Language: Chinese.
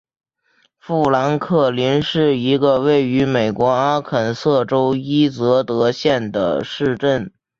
富兰克林是一个位于美国阿肯色州伊泽德县的市镇。